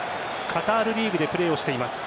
カタールでプレーをしています